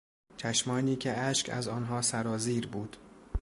چشمانی که اشک از آنها سرازیر بود